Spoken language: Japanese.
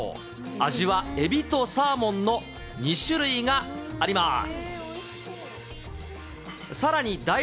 味はエビとサーモンの２種類があります。